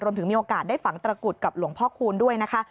มีโอกาสได้ฝังตระกุดกับหลวงพ่อคูณด้วยนะคะ